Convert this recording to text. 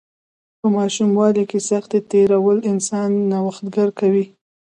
په ماشوموالي کې سختۍ تیرول انسان نوښتګر کوي.